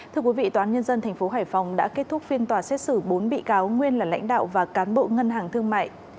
thưa quý vị tòa án nhân dân tp hải phòng đã kết thúc phiên tòa xét xử bốn bị cáo nguyên là lãnh đạo và cán bộ ngân hàng thương mại